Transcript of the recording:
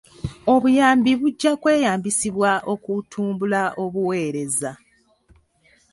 Obuyambi bujja kweyambisibwa okutumbula obuweereza.